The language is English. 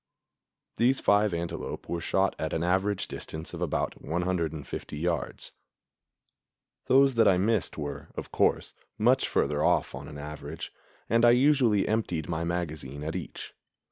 These five antelope were shot at an average distance of about 150 yards. Those that I missed were, of course, much further off on an average, and I usually emptied my magazine at each.